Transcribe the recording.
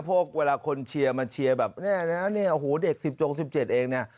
พวกเวลาคนแชร์มาแชร์แบบเนี้ยเนี้ยโหเด็กสิบโจงสิบเจ็ดเองนะ